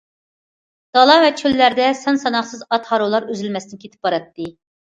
دالا ۋە چۆللەردە سان- ساناقسىز ئات- ھارۋىلار ئۈزۈلمەستىن كېتىپ باراتتى.